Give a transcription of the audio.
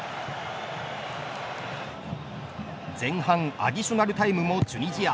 前半アディショナルタイムもチュニジア。